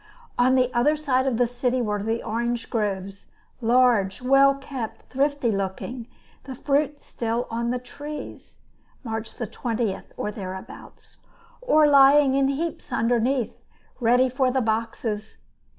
On the other side of the city were orange groves, large, well kept, thrifty looking; the fruit still on the trees (March 20, or thereabouts), or lying in heaps underneath, ready for the boxes.